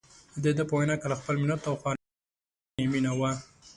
دده په وینا کې له خپل ملت او خاورې سره رښتیني مینه وه.